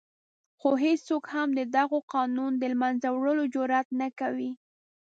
خو هېڅوک هم د دغه قانون د له منځه وړلو جرآت نه کوي.